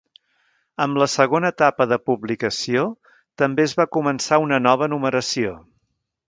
Amb la segona etapa de publicació, també es va començar una nova numeració.